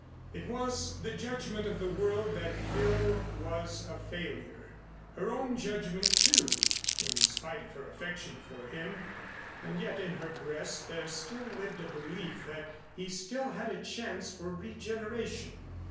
It was the judgment of the world that Phil was a failure her own judgment, too, in spite of her affection for him; and yet in her breast there still lived a belief that he still had a chance for regeneration.